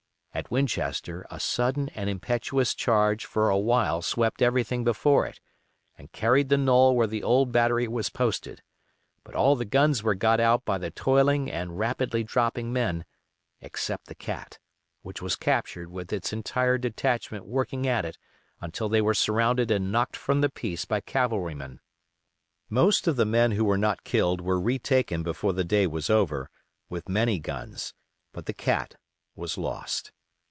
At Winchester a sudden and impetuous charge for a while swept everything before it, and carried the knoll where the old battery was posted; but all the guns were got out by the toiling and rapidly dropping men, except the Cat, which was captured with its entire detachment working at it until they were surrounded and knocked from the piece by cavalrymen. Most of the men who were not killed were retaken before the day was over, with many guns; but the Cat was lost.